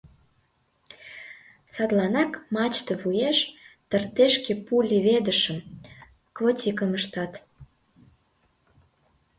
Садланак мачте вуеш тыртешке пу леведышым — клотикым ыштат.